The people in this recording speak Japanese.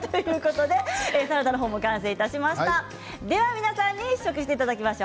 皆さんに試食していただきます。